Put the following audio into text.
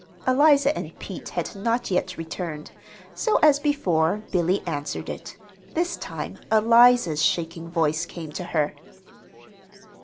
Eliza and Pete had not yet returned; so, as before, Billy answered it. This time Eliza's shaking voice came to her.